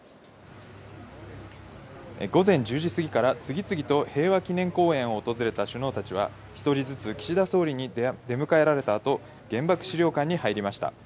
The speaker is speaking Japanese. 午前１０時過ぎから次々と平和記念公園を訪れた首脳たちは、１人ずつ岸田総理に出迎えられた後、原爆資料館に入りました。